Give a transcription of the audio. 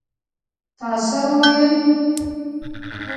تا څه وویل?